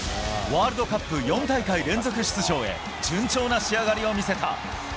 ワールドカップ４大会連続出場へ、順調な仕上がりを見せた。